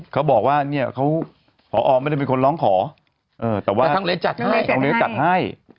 เขาบอกว่าพอไม่ได้มีคนร้องขอแต่ว่าทางเรียนจัดให้